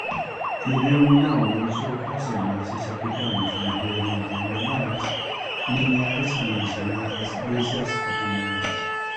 Tiene una o dos hojas herbáceas apicales, ligeramente nervadas, lineares a lanceoladas, lisas, acanaladas.